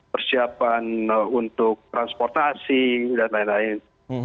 persiapan untuk transportasi dan lain lain